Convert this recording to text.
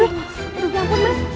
ya ampun mas